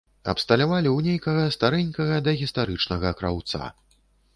Абсталявалі ў нейкага старэнькага дагістарычнага краўца.